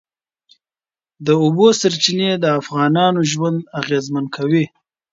د اوبو سرچینې د افغانانو ژوند اغېزمن کوي.